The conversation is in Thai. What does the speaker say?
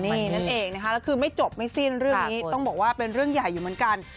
นี่นั่นเองนะคะแล้วคือไม่จบไม่สิ้นเรื่องนี้ต้องบอกว่าเป็นเรื่องใหญ่อยู่เหมือนกัน